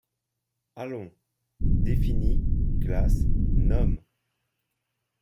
Allons ! définis, classe, nomme